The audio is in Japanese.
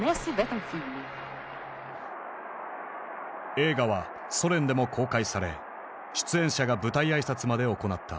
映画はソ連でも公開され出演者が舞台挨拶まで行った。